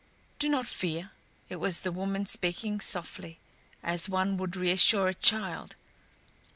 "Do not fear." It was the woman speaking, softly, as one would reassure a child.